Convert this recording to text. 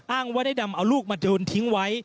อ้างว่าได้ดำเอาลูกมาโจรทิ้งไว้